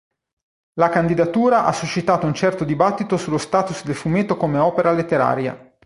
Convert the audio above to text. La candidatura ha suscitato un certo dibattito sullo status del fumetto come opera letteraria.